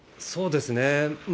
そうですね。